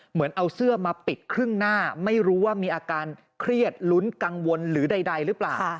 เหมือนเอาเสื้อมาปิดครึ่งหน้าไม่รู้ว่ามีอาการเครียดลุ้นกังวลหรือใดหรือเปล่า